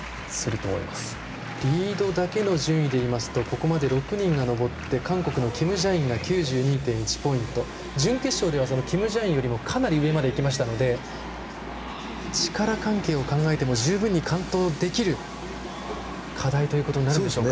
リードだけの順位でいいますとここまで６人が残って韓国のキム・ジャインが９２．１ポイント準決勝ではキム・ジャインよりもかなり上までいったので力関係を考えても十分に完登できる課題ということになるでしょうか。